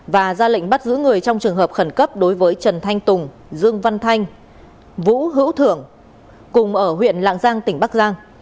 và ra lệnh bắt giữ người trong trường hợp khẩn cấp đối với trần thanh tùng dương văn thanh vũ hữu thưởng cùng ở huyện lạng giang tỉnh bắc giang